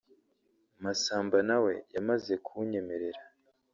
Masamba na we yamaze kunyemerera